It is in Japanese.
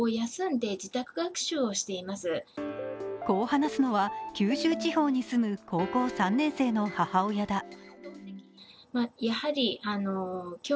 こう話すのは九州地方に住む高校３年生の母親だ。